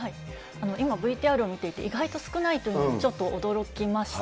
今、ＶＴＲを見ていて意外と少ないっていうのはちょっと驚きました。